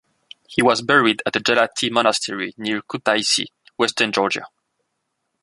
He was buried at the Gelati Monastery near Kutaisi, western Georgia.